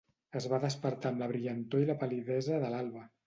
Es va despertar amb la brillantor i la pal·lidesa de l'alba.